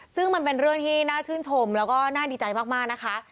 ซึ่งมันเป็นเรื่องที่น่าชื่นชมแล้วก็น่าดีใจมากนะคะ